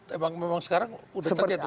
memang sekarang sudah terjadi